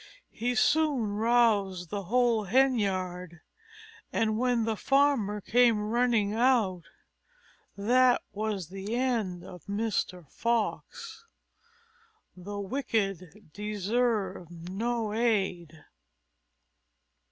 He soon roused the whole hen yard, and when the Farmer came running out, that was the end of Mr. Fox. _The wicked deserve no aid.